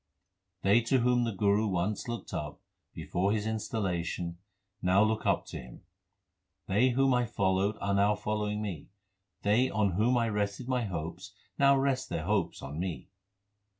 They to whom the Guru once looked up, before his installation, now look up to him : They whom I followed are now following me ; They on whom I rested my hopes now rest their hopes on me.